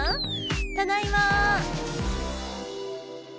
ただいま。